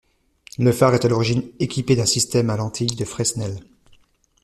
Le phare était à l'origine équipé d'un système à lentille de Fresnel.